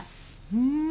うん。